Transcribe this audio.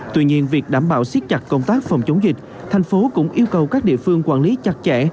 tuy nhiên việc đảm bảo siết chặt công tác phòng chống dịch thành phố cũng yêu cầu các địa phương quản lý chặt chẽ